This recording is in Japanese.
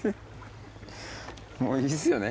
もういいっすよね。